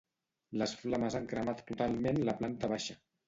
Les flames han cremat totalment la planta baixa.